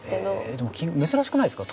でも珍しくないですか？